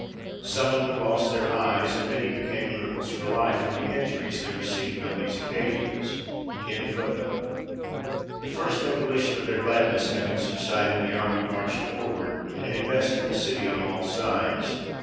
Some of them lost their eyes, and many became cripples for life from the injuries they received on these occasions. [Illustration: THE PILGRIMS AT THE FIRST SIGHT OF JERUSALEM.] The first ebullition of their gladness having subsided, the army marched forward, and invested the city on all sides.